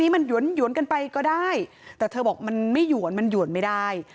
มันหวนกันไปก็ได้แต่เธอบอกมันไม่หวนมันหยวนไม่ได้